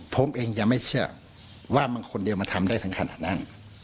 ผมเองยังไม่เชื่อว่ามันคนเดียวมันทำได้ถึงขนาดนั้น